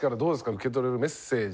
受け取れるメッセージ。